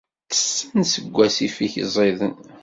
Tessen seg wasif-ik ẓiden.